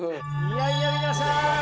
いやいや皆さん